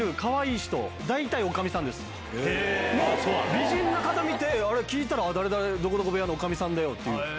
美人な方見て聞いたらどこどこの部屋の女将さんだよっていう。